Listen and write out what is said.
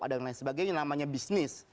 ada yang lain sebagainya namanya bisnis